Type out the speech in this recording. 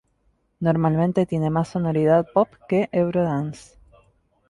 Normalmente tiene más sonoridad pop que "Eurodance".